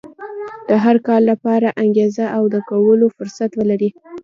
د هر کار لپاره انګېزه او د کولو فرصت ولرئ.